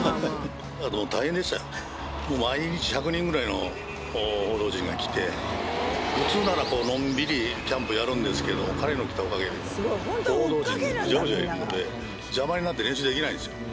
大変でしたよ、もう毎日、１００人くらいの報道陣が来て、普通ならのんびりキャンプやるんですけど、彼が来たおかげで、報道陣がうじゃうじゃいるので、邪魔になって練習できないんですよ。